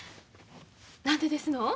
何でですの？